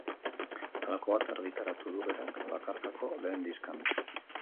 Halako bat argitaratu du berak bakarkako lehen diskan.